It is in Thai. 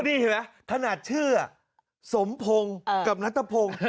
นี่เหรอถนัดชื่อสมพงกับนัตตะพง